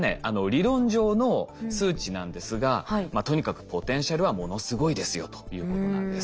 理論上の数値なんですがとにかくポテンシャルはものすごいですよということなんです。